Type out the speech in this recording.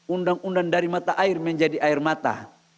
undang undang dari mata air menjadi air mata